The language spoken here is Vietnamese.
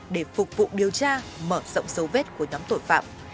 để phục vụ điều tra mở rộng dấu vết của nhóm tội phạm